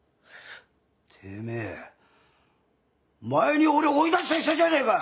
てめぇ前に俺追い出した医者じゃねえか！